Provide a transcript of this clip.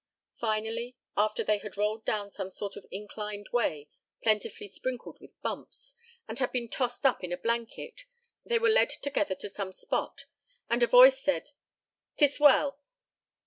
Finally, after they had rolled down some sort of inclined way plentifully sprinkled with bumps, and had been tossed up in a blanket, they were led together to some spot, and a voice said: "'Tis well!